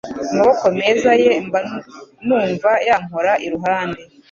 Amaboko meza ye mba numva yampora iruhande